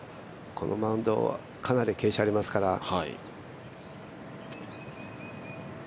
このマウンド、かなり傾斜がありますから。